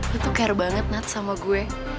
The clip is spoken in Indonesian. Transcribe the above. aku tuh care banget nat sama gue